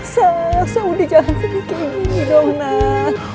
sayang saudi jangan sedih kayak gini dong nak